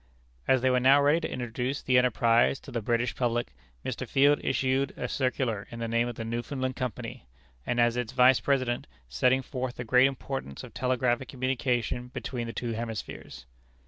As they were now ready to introduce the enterprise to the British public, Mr. Field issued a circular in the name of the Newfoundland Company, and as its Vice President, setting forth the great importance of telegraphic communication between the two hemispheres.